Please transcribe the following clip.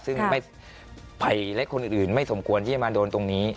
ซึ่งภัยและคนอื่นไม่สมควรที่จะมาโดนตรงนี้